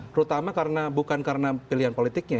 terutama karena bukan karena pilihan politiknya